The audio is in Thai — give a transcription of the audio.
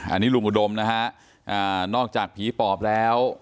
อันนี้รุมอุดมนะคะนอกจากพิพลแล้ว